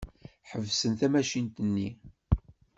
Ḥebsen tamacint-nni.